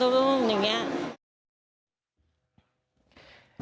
อย่างเงี้ย